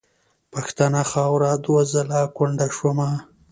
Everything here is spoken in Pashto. په پښتنه خاوره دوه ځله کونډه شومه .